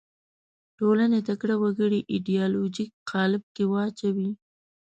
ټولنې تکړه وګړي ایدیالوژیک قالب کې واچوي